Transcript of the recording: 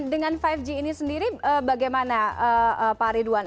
dengan lima g ini sendiri bagaimana pak ridwan